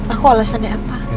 aku alasannya apa